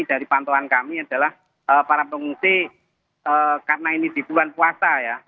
dari pantauan kami adalah para pengungsi karena ini di bulan puasa ya